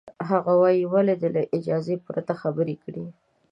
هغه وایي، ولې دې له اجازې پرته خبرې کړې؟